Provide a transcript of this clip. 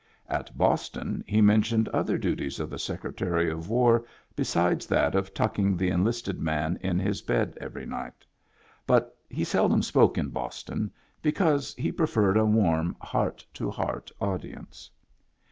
At Boston he mentioned other duties of the Secretary of War besides that of tucking the enlisted man in his bed every night; but he seldom spoke in Boston, because he preferred a warm, heart to heart audience.